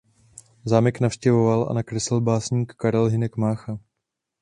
Zámek navštěvoval a nakreslil básník Karel Hynek Mácha.